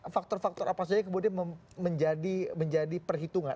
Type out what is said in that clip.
faktor faktor apa saja kemudian menjadi perhitungan